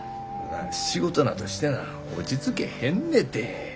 仕事なとしてな落ち着けへんねて。